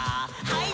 はい。